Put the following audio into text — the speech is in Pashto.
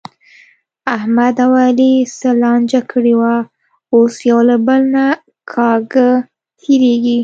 احمد او علي څه لانجه کړې وه، اوس یو له بل نه کاږه تېرېږي.